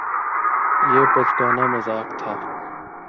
یہ بچگانہ مذاق تھا